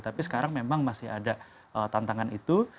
tapi sekarang memang masih ada tantangan itu